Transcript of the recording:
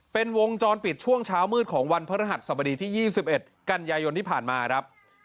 เป็นวงจรปิดช่วงเช้ามืดของวันพระรหัสสบดีที่๒๑กันยายนที่ผ่านมาครับ